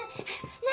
何？